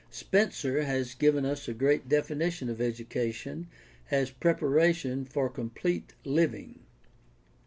Spencer has given us a great definition of education as preparation for complete living.